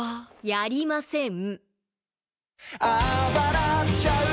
やりません。